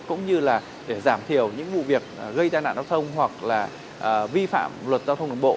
cũng như là để giảm thiểu những vụ việc gây tai nạn giao thông hoặc là vi phạm luật giao thông đường bộ